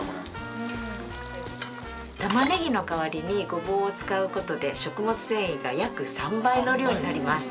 玉ねぎの代わりにごぼうを使う事で食物繊維が約３倍の量になります。